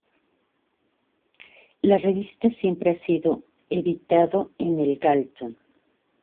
La revista siempre ha sido editado en el Galton.